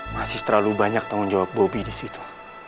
masih terlalu banyak tanggung jawab bobi disitu